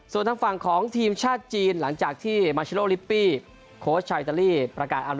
ส่วนทางฝั่งของทีมชาติจีนหลังจากที่มัลชโชโลริปปี้โคชชาอินอลีประกาศอัมราษทีมไป